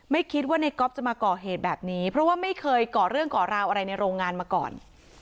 ไม่คิดว่าในก๊อฟจะมาก่อเหตุแบบนี้เพราะว่าไม่เคยก่อเรื่องก่อราวอะไรในโรงงานมาก่อน